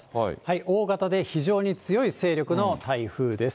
大型で非常に強い勢力の台風です。